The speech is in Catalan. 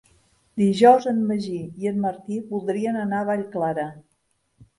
Dijous en Magí i en Martí voldrien anar a Vallclara.